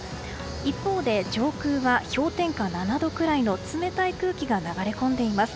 一方で、上空は氷点下７度くらいの冷たい空気が流れ込んでいます。